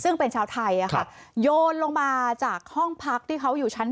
ซึ่งเป็นชาวไทยโยนลงมาจากห้องพักที่เขาอยู่ชั้น๒